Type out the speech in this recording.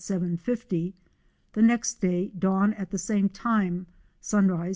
50 ; the next day dawn at the same time, sun rise 7.